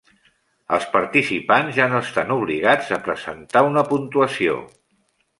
Els participants ja no estan obligats a presentar una puntuació.